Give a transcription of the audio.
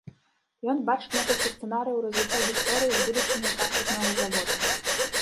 Ён бачыць некалькі сцэнарыяў развіцця гісторыі з будучыняй трактарнага завода.